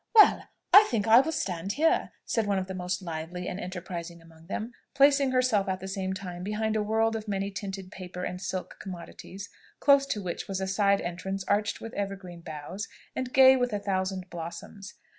"Well! I think I will stand here," said one of the most lively and enterprising among them, placing herself at the same time behind a world of many tinted paper and silk commodities, close to which was a side entrance arched with evergreen boughs, and gay with a thousand blossoms.